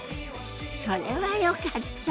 それはよかった。